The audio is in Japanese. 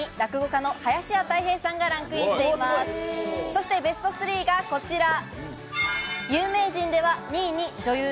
そしてベスト３がこちら。